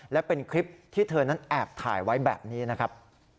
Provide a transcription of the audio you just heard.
และเป็นคลิปที่เธอนั้นแอบถ่ายไว้แบบนี้นะครับ